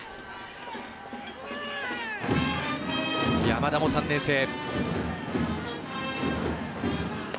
山田も３年生。